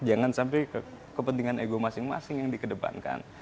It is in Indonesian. jangan sampai kepentingan ego masing masing yang dikedepankan